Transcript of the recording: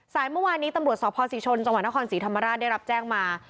เมื่อวานนี้ตำรวจสพศรีชนจังหวัดนครศรีธรรมราชได้รับแจ้งมา